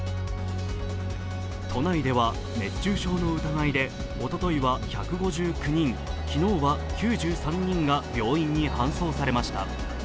都内では熱中症の疑いでおとといは１５９人、昨日は９３人が病院に搬送されました。